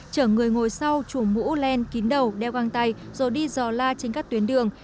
chở người ngồi sau chùm mũ len kín đầu đeo găng tay rồi đi dò la trên các tuyến đường